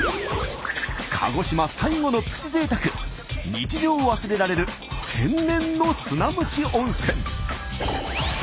日常を忘れられる天然の砂蒸し温泉。